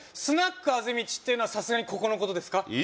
スナックあぜ道っていうのはさすがにここのことですか？